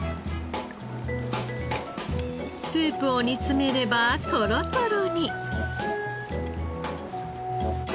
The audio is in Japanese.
スープを煮詰めればトロトロに。